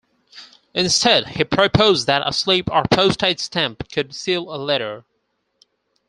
Instead, he proposed that a "slip" or postage stamp could seal a letter.